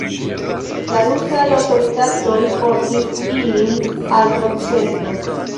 La rusaj aŭtoritatoj portis ilin al proceso.